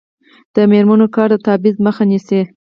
د میرمنو کار د تبعیض مخه نیسي.